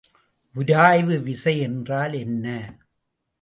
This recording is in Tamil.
உராய்வு விசை என்றால் என்ன?